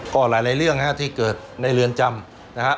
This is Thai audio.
ก็หลายเรื่องฮะที่เกิดในเรือนจำนะฮะ